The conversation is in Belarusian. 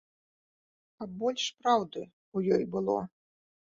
Каб больш праўды ў ёй было.